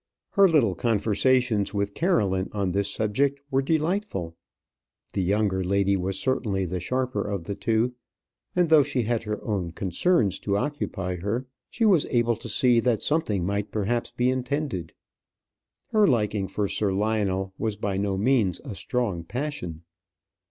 Her little conversations with Caroline on this subject were delightful. The younger lady was certainly the sharper of the two; and though she had her own concerns to occupy her, she was able to see that something might perhaps be intended. Her liking for Sir Lionel was by no means a strong passion.